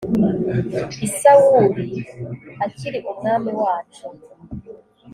i sawuli akiri umwami wacu